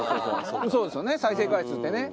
そうですよね再生回数ってね。